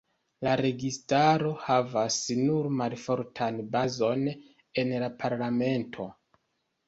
La registaro havas nur malfortan bazon en la parlamento.